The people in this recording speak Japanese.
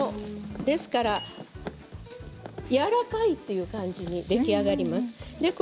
ですから、やわらかい感じに出来上がります。